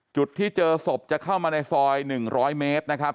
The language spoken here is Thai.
จุดที่เจอศพจะเข้ามาในซอย๑๐๐เมตรนะครับ